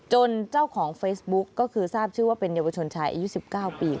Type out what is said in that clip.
เจ้าของเฟซบุ๊กก็คือทราบชื่อว่าเป็นเยาวชนชายอายุ๑๙ปี